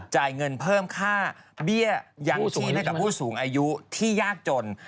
จ่ายเงินเพิ่มค่าเบี้ยยังสูงให้กับผู้สูงอายุที่ยากจน